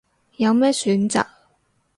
有咩選擇